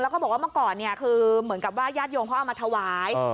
แล้วก็บอกว่าเมื่อก่อนเนี่ยคือเหมือนกับว่าญาติโยมเขาเอามาถวาย